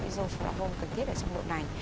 ví dụ là không cần thiết ở trong đậu nành